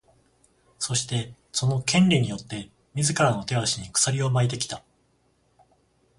そして、その「権利」によって自らの手足に鎖を巻いてきた。